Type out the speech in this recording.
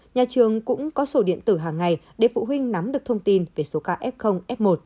nhà trường cũng có sổ điện tử hàng ngày để phụ huynh nắm được thông tin về số ca f f một